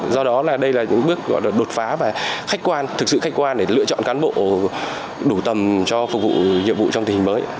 do đó đây là một bước đột phá và thực sự khách quan để lựa chọn cán bộ đủ tầm cho phục vụ nhiệm vụ trong tình hình mới